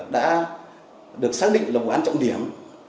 đã được xác định là vụ án trọng điểm